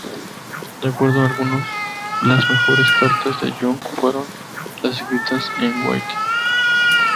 De acuerdo a algunos, las mejores cartas de Jung fueron las escritas a White.